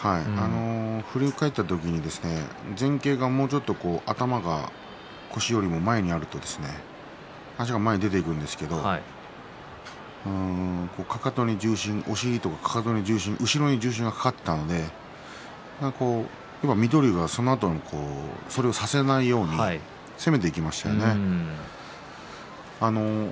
振り返った時に前傾がもう少し頭が腰よりも前にあると前に出ていくんですけどかかとに重心お尻とか、かかと後ろに重心がかかっていたので水戸龍がそのあとそれをさせないように攻めていきましたよね。